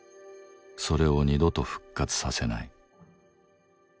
それを二度と復活させない。